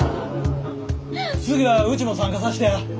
次はうちも参加さしてや！